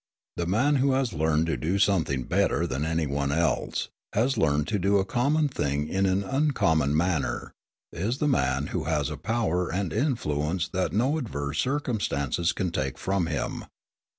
The man who has learned to do something better than any one else, has learned to do a common thing in an uncommon manner, is the man who has a power and influence that no adverse circumstances can take from him.